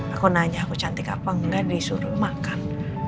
aku nanya aku cantik apa enggak disuruh makan